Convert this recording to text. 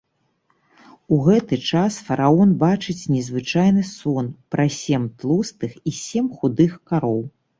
У гэты час фараон бачыць незвычайны сон пра сем тлустых і сем худых кароў.